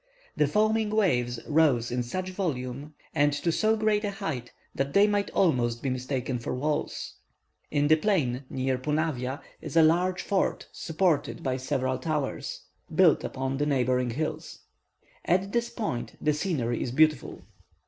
The foaming waves rose in such volume and to so great a height, that they might almost be mistaken for walls. In the plain near Punavia is a large fort supported by several towers, built upon the neighbouring hills. At this point the scenery is beautiful.